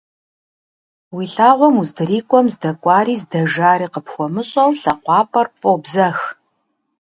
И лъагъуэм уздрикIуэм, здэкIуари здэжари къыпхуэмыщIэу, лъакъуапIэр пфIобзэх.